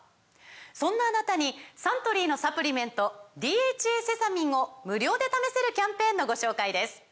そんなあなたにサントリーのサプリメント「ＤＨＡセサミン」を無料で試せるキャンペーンのご紹介です